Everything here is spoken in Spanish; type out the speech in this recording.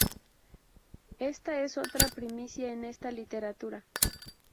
Esta es otra "primicia" en esta literatura.